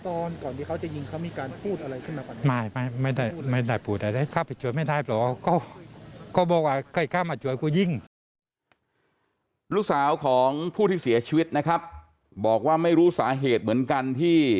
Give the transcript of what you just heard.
ลูกสาวของผู้ที่เสียชีวิตนะครับบอกว่าไม่รู้สาเหตุเหมือนกันที่